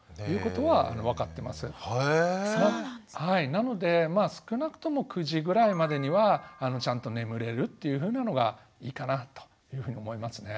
なのでまあ少なくとも９時ぐらいまでにはちゃんと眠れるというふうなのがいいかなというふうに思いますね。